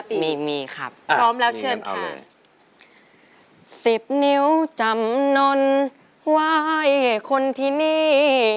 เป็นตัวโจ๊กเหม็นตลกเป็นตัวป้นจี้